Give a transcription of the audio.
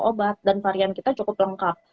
obat dan varian kita cukup lengkap